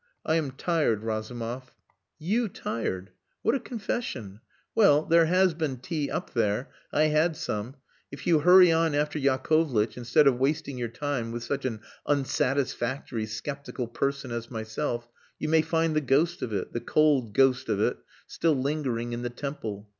I am tired, Razumov." "You tired! What a confession! Well, there has been tea up there. I had some. If you hurry on after Yakovlitch, instead of wasting your time with such an unsatisfactory sceptical person as myself, you may find the ghost of it the cold ghost of it still lingering in the temple.